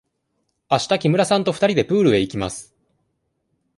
あした木村さんと二人でプールへ行きます。